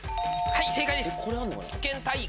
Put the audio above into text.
はい正解です。